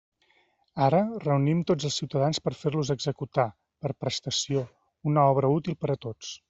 Ara, reunim tots els ciutadans per a fer-los executar, per prestació, una obra útil per a tots.